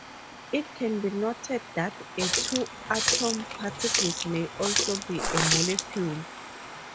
It can be noted that a two atom particle may also be a molecule.